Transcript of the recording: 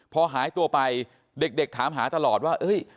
พอหายตัวไปเด็กถามหาตลอดว่า